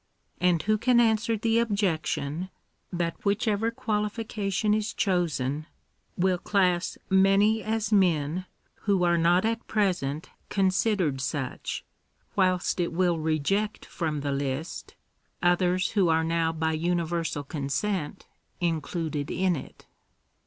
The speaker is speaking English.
And who can answer the objection, that whichever qualification is chosen, will class many as men who are not at present considered such ; whilst it will reject from the list, others who are now by universal consent included in it?